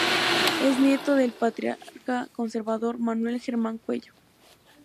Es nieto del patriarca conservador Manuel Germán Cuello.